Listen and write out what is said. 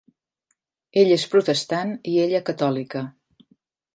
Ell és protestant i ella catòlica.